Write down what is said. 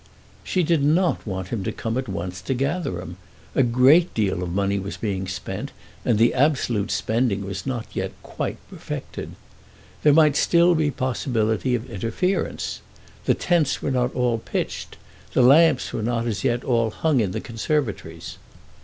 She did not want him to come at once to Gatherum. A great deal of money was being spent, and the absolute spending was not yet quite perfected. There might still be possibility of interference. The tents were not all pitched. The lamps were not as yet all hung in the conservatories.